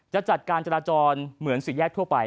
จะจัดการจราจรเหมือนสี่แยกทั่วไป